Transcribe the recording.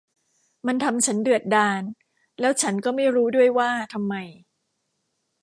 มันทำฉันเดือดดาลแล้วฉันก็ไม่รู้ด้วยว่าทำไม